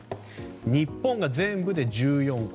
日本が全部で１４個